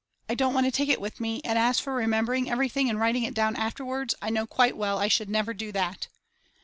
I don't want to take it with me and as for remembering everything and writing it down afterwards I know quite well I should never do that.